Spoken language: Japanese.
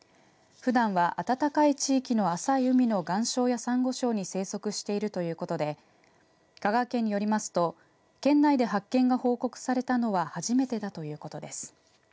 ふだんは暖かい地域の浅い海の岩礁やサンゴ礁に生息しているということで香川県によりますと県内で発見が報告されたのは初めてだということです。